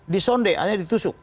di sonde hanya ditusuk